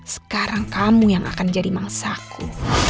sekarang kamu yang akan jadi mangsa ku